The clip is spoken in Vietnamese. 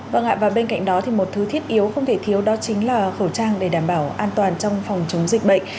vâng ạ và bên cạnh đó thì một thứ thiết yếu không thể thiếu đó chính là khẩu trang để đảm bảo an toàn trong phòng chống dịch bệnh